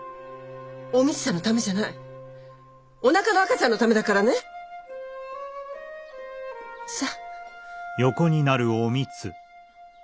お美津さんのためじゃないおなかの赤ちゃんのためだからね。さ。